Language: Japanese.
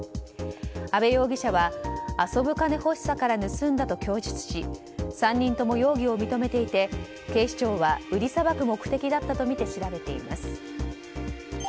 阿部容疑者は遊ぶ金欲しさから盗んだと供述し３人とも容疑を認めていて警視庁は売りさばく目的だったとみて調べています。